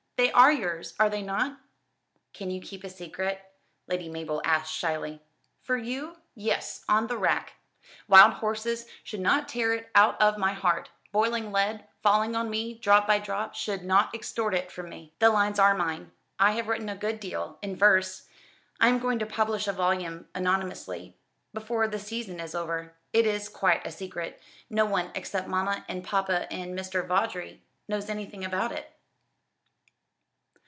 They are yours, are they not?" "Can you keep a secret?" Lady Mabel asked shyly. "For you? Yes, on the rack. Wild horses should not tear it out of my heart; boiling lead, falling on me drop by drop, should not extort it from me." "The lines are mine. I have written a good deal in verse. I am going to publish a volume, anonymously, before the season is over. It is quite a secret. No one except mamma and papa, and Mr. Vawdrey knows anything about it."